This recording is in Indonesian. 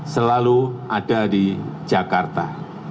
selalu ada di jakarta